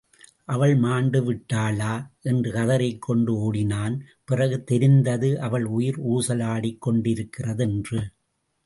அவள் மாண்டு விட்டாளா? என்று கதறிக் கொண்டு ஓடினான், பிறகு தெரிந்தது அவள் உயிர் ஊசல் ஆடிக்கொண்டிருக்கிறது என்று.